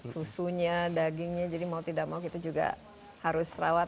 susunya dagingnya jadi mau tidak mau kita juga harus rawat